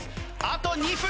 あと２分。